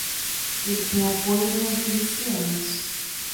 Ele tem apoio de uns milicianos.